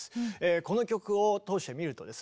この曲を通してみるとですね